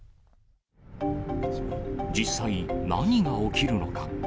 実際、何が起きるのか。